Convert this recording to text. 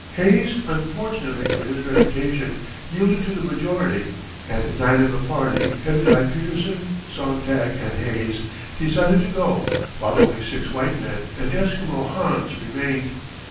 Hayes, unfortunately for his reputation, yielded to the majority, and nine of the party, headed by Petersen, Sontag, and Hayes, decided to go, while only six white men and Esquimau Hans remained.